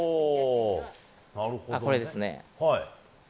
これですね。